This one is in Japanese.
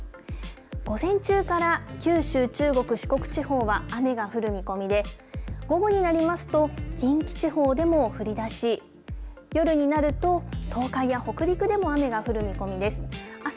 午前中から九州、中国四国地方は雨が降る見込みで午後になりますと近畿地方でも降り出し夜になると東海や北陸でも雨が降る見込みです。